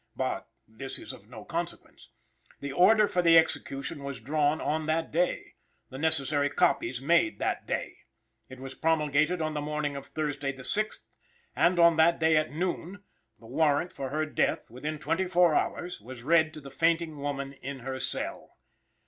But this is of no consequence. The order for the execution was drawn on that day, the necessary copies made that day; it was promulgated on the morning of Thursday the 6th, and on that day at noon, the warrant for her death, within twenty four hours, was read to the fainting woman in her cell.